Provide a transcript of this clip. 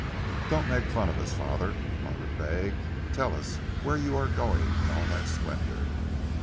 "Don't make fun of us, father," Margaret begged. "Tell us where you are going in all that splendour?"